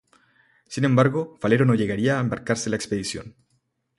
Sin embargo, Falero no llegaría a embarcarse en la expedición.